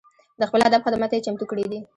د خپل ادب خدمت ته یې چمتو کړي دي.